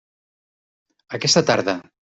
Aquesta tarda.